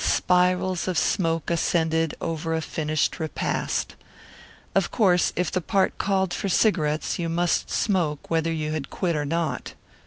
Spirals of smoke ascended over a finished repast. Of course if the part called for cigarettes you must smoke whether you had quit or not.